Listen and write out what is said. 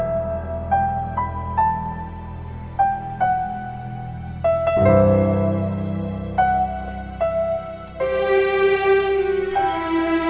dulu menjumpai pasukan